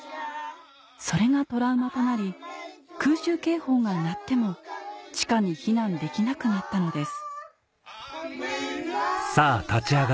それがトラウマとなり空襲警報が鳴っても地下に避難できなくなったのです